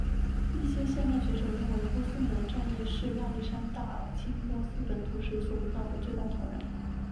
一些现代学者认为波斯门战役是亚历山大入侵波斯本土时所遇到的最大挑战。